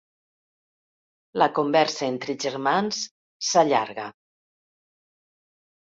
La conversa entre germans s'allarga.